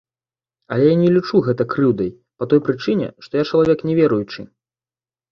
Але я не лічу гэта крыўдай па той прычыне, што я чалавек няверуючы.